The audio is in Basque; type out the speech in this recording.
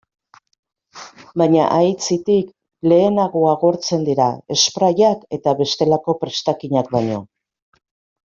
Baina, aitzitik, lehenago agortzen dira sprayak eta bestelako prestakinak baino.